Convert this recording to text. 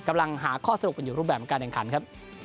กำลังหาข้อสรุปอยู่รูปแบบเหมือนกันครับ